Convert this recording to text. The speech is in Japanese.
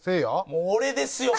もう俺ですよ。